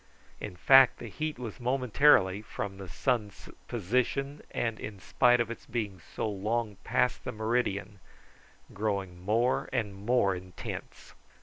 In fact the heat was momentarily, from the sun's position, and in spite of its being so long past the meridian, growing more and more intense.